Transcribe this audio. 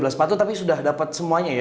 tiga belas sepatu tapi sudah dapat semuanya ya